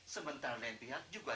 sementara lain pihak juga